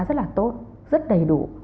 rất là tốt rất đầy đủ